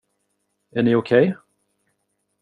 Är ni okej?